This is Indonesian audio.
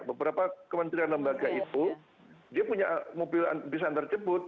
beberapa kementerian lembaga itu dia punya mobil bisa antarjemput